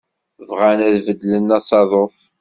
Bɣan ad beddlen asaḍuf.